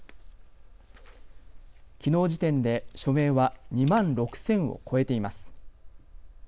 きのう時点で署名は２万６０００を超えています。